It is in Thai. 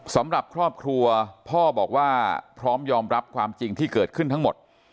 สำหรับครอบครัวพ่อบอกว่าพร้อมยอมรับความจริงที่เกิดขึ้นทั้งหมด